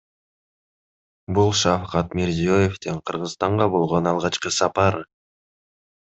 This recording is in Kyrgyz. Бул Шавкат Мирзиёевдин Кыргызстанга болгон алгачкы сапары.